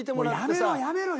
やめろやめろ。